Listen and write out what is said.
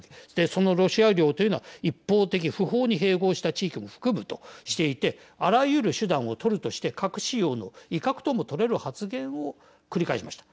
そのロシア領というのは一方的、不法に併合した地域も含むとしていてあらゆる手段を取るとして核使用の威嚇とも取れる発言を繰り返しました。